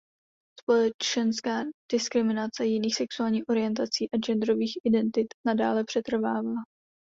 Společenská diskriminace jiných sexuálních orientací a genderových identit nadále přetrvává.